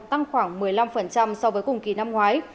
tăng khoảng một mươi năm so với cùng kỳ năm ngoái